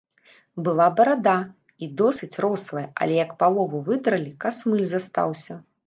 Была барада, і досыць рослая, але як палову выдралі, касмыль застаўся.